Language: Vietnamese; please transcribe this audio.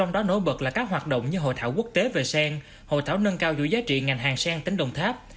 đối bật là các hoạt động như hội thảo quốc tế về sen hội thảo nâng cao giữ giá trị ngành hàng sen tỉnh đồng tháp